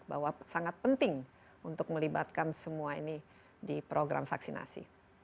bahwa sangat penting untuk melibatkan semua ini di program vaksinasi